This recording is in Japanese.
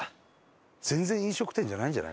全然飲食店じゃないんじゃない？